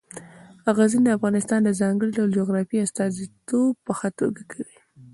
غزني د افغانستان د ځانګړي ډول جغرافیې استازیتوب په ښه توګه کوي.